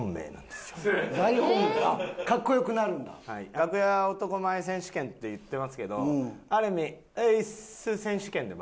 楽屋男前選手権って言ってますけどある意味ええ！